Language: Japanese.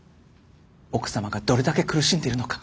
奥様がどれだけ苦しんでいるのか。